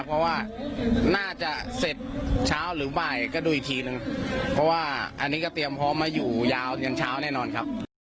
เพราะว่าน่าจะเสร็จเช้าหรือบ่ายก็ดูอีกทีนึงเพราะว่าอันนี้ก็เตรียมพร้อมมาอยู่ยาวยันเช้าแน่นอนครับ